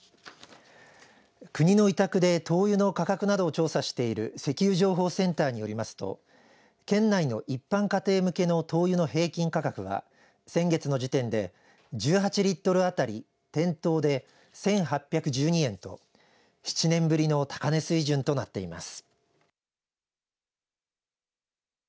国の委託で灯油の価格などを調査している石油情報センターによりますと県内の一般家庭向けの灯油の平均価格が先月の時点で１８リットルあたり店頭で１８１２円と７年ぶりの高値水準となっています。